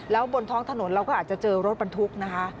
แล้วบนท้องถนนเราก็อาจจะเจอรถบรรทุกนะคะ